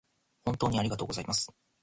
本当にありがとうございます